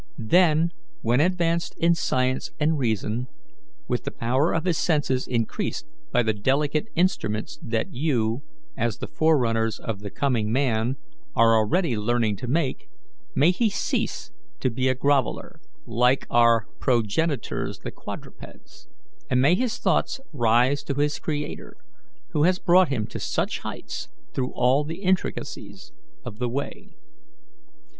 Then, when advanced in science and reason, with the power of his senses increased by the delicate instruments that you, as the forerunners of the coming man, are already learning to make, may he cease to be a groveller, like our progenitors the quadrupeds, and may his thoughts rise to his Creator, who has brought him to such heights through all the intricacies of the way.